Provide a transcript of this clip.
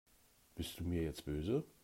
Bist du mir jetzt böse?